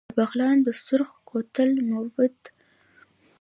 د بغلان د سورخ کوتل معبد د کوشاني پاچا کنیشکا جوړ کړی